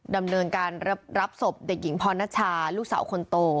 ดำเนินการรับศพเด็กหญิงพรณชาลูกสาวคนโต